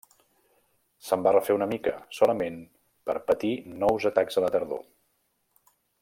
Se'n va refer una mica, solament per patir nous atacs a la tardor.